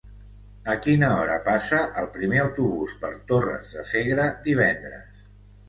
A quina hora passa el primer autobús per Torres de Segre divendres?